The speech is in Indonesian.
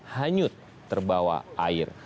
hanyut terbawa air